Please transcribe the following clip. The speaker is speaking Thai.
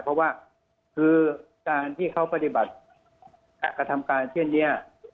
เพราะว่าคือการที่เขาปฏิบัติกระทำการเช่นนี้